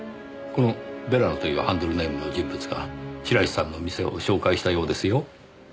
このヴェラノというハンドルネームの人物が白石さんの店を紹介したようですよ。